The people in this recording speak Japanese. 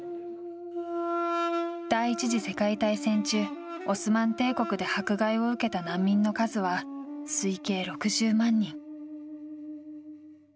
第１次世界大戦中、オスマン帝国で迫害を受けた難民の数は推計６０万人。